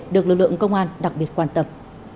được lực lượng công an đặc biệt quan tâm